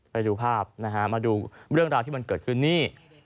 ไปดูภาพนะฮะมาดูเรื่องราวที่มันเกิดขึ้นนี่